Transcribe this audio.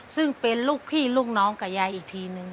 ซึ่งเป็นลูกพี่ลูกน้องกับยายอีกทีนึง